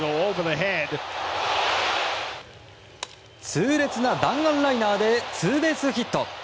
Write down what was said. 痛烈な弾丸ライナーでツーベースヒット。